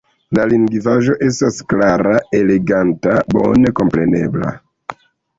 La lingvaĵo estas klara, eleganta, bone komprenebla.